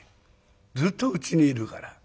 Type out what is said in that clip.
ずっとうちにいるから。